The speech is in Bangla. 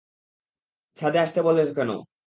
ছাদে আসতে বলেছো কেন?